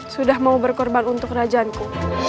sudah mau berkorban untuk kerajaanku